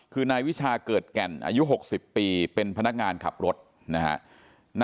คือนายวิชาเกิดแก่นอายุ๖๐ปีเป็นพนักงานขับรถนะฮะ